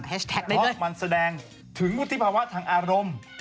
เพราะมันแสดงถึงวุฒิภาวะทางอารมณ์